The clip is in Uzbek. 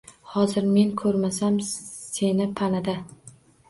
Hozir men ko’rmasam seni panada